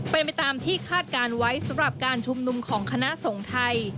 เป็นไปตามที่คาดการณ์ไว้สำหรับการชุมนุมของคณะสงฆ์ไทย